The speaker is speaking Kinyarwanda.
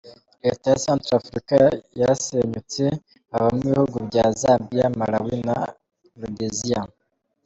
Leta ya Centre-Africa yarasenyutse havamo ibihugu bya Zambiya, Malawi na Rhodesiya.